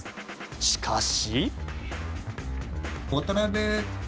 しかし。